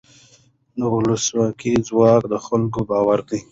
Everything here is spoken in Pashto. د ولسواکۍ ځواک د خلکو باور دی